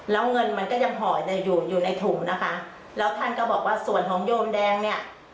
แล้วเงินมันก็ยังห่อเนี่ยอยู่อยู่ในถุงนะคะแล้วท่านก็บอกว่าส่วนของโยมแดงเนี่ย